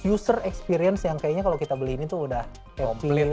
jadi user experience yang kayaknya kalau kita beli ini tuh udah happy udah complete